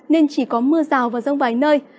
nên chỉ có mưa rào và rông vài nơi